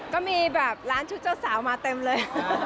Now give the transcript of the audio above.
ก็มีแบบร้านชุดเจ้าสาวมาเต็มเลย